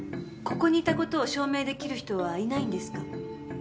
ここにいた事を証明出来る人はいないんですか？